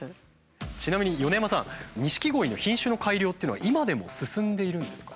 ちなみに米山さん錦鯉の品種の改良っていうのは今でも進んでいるんですか？